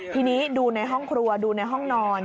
ทีนี้ดูในห้องครัวดูในห้องนอน